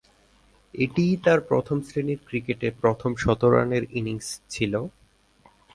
এটিই তার প্রথম-শ্রেণীর ক্রিকেটে প্রথম শতরানের ইনিংস ছিল।